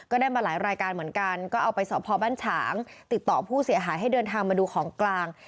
ได้มาหลายรายการเหมือนกันก็เอาไปสอบพอบ้านฉางติดต่อผู้เสียหายให้เดินทางมาดูของกลาง